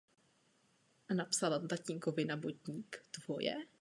V České republice vydává její knihy nakladatelství Motto.